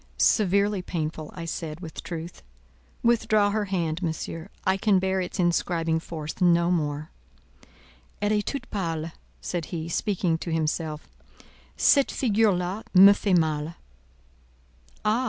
"Severely painful," I said, with truth. "Withdraw her hand, Monsieur; I can bear its inscribing force no more." "Elle est toute pâle," said he, speaking to himself; "cette figure là me fait mal." "Ah!